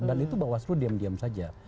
dan itu bawah seluruh diam diam saja